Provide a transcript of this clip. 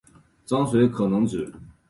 章水可能指